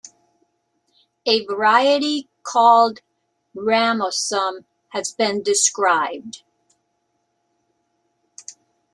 A variety called "Ramosum" has been described.